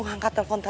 neng ikut tuh abah